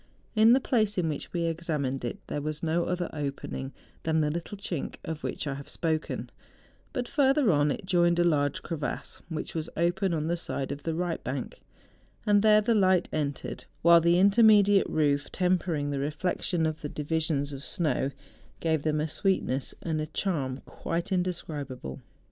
In the place in which we examined it, there was no other opening than the little chink of which I have spoken; but further on, it joined a large crevasse which was open on the side of the right bank, and there the light entered, while the intermediate roof tempering the reflexion of the di¬ visions of SDow, gave tliem a sweetness and a charm quite indescribable.